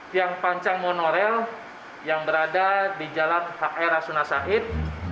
tiang panjang monorail yang berada di jalan hra sunasahid